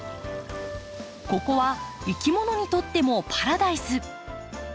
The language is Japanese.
ここはいきものにとってもパラダイス。